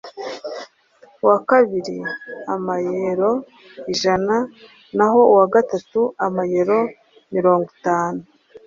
uwa kabiri amayeuro ijana naho uwa gatatu amayeuro mirongwitanu